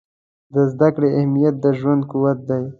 د زده کړې اهمیت د ژوند قوت دی.